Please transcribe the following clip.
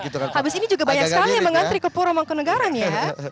habis ini juga banyak sekali yang mengantri ke purwong ke negara ya